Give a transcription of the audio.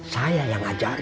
saya yang ajar